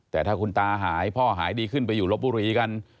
แต่ถ้าคุณตาหายพ่อหายดีขึ้นไปอยู่ลบบุรีกัน